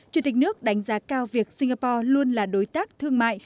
chủ tịch nước đánh giá cao việc singapore luôn là đối tác thương mại